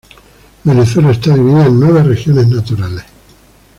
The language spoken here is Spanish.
Venezuela está dividida en nueve regiones naturales.